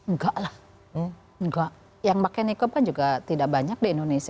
nggak lah nggak yang pakai nikab kan juga tidak banyak di indonesia